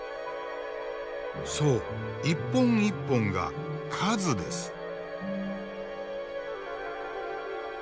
そう一本一本が「数」です。